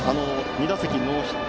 ２打席ノーヒット